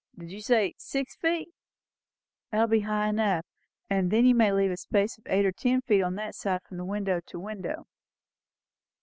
Did you say six feet?" "That will be high enough. And you may leave a space of eight or ten feet on that side, from window to window."